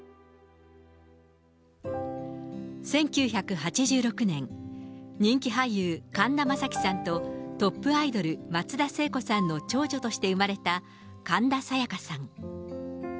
１９８６年、人気俳優、神田正輝さんと、トップアイドル、松田聖子さんの長女として生まれた、神田沙也加さん。